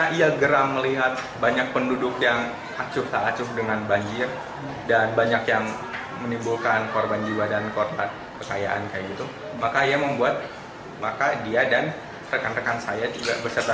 harga bahannya pun terjangkau yaitu tidak lebih dari seratus ribu rupiah